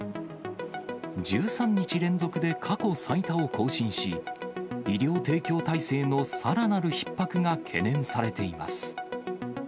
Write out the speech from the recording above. １３日連続で過去最多を更新し、医療提供体制のさらなるひっ迫が懸念されています。